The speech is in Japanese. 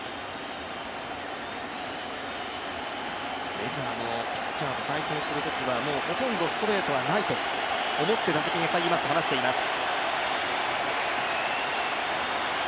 メジャーのピッチャーと対戦するときは、ほとんどストレートはないと思って打席に入りますと話しています。